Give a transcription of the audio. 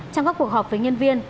trong các cuộc họp với nhân viên